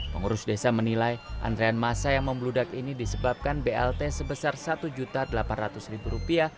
pengurus desa menilai antrean masa yang membludak ini disebabkan blt sebesar rp satu delapan ratus